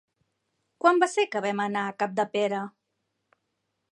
Quan va ser que vam anar a Capdepera?